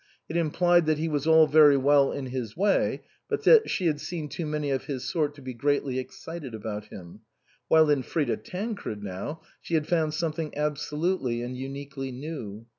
It implied that he was all very well in his way, but that she had seen too many of his sort to be greatly excited about him ; while in Frida Tan cred, now, she had found something absolutely and uniquely new.